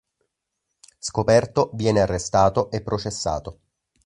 Scoperto, viene arrestato e processato.